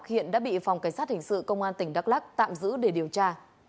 hiện đã bị phòng cảnh sát hình sự công an tỉnh đắk lắc tạm giữ để điều tra